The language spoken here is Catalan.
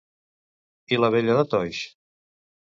I la vella de Toix?